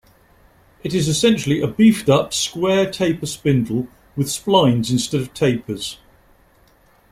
It is essentially a beefed up square taper spindle with splines instead of tapers.